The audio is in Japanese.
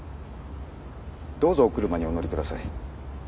どうぞお車にお乗りください。